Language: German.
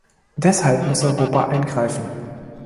Deshalb muss Europa eingreifen.